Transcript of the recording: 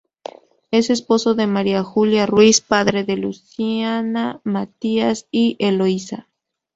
Es esposo de María Juliana Ruiz, padre de Luciana, Matías y Eloísa.